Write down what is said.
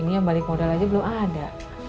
ini yang balik modal aja belum ada